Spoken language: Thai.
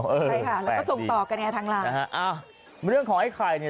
ใช่ค่ะแล้วก็ส่งต่อกันไงทางไลน์นะฮะอ่าเรื่องของไอ้ไข่เนี่ย